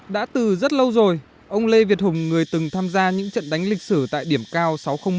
đã từ rất lâu rồi ông lê việt hùng người từng tham gia những trận đánh lịch sử tại điểm cao sáu trăm linh một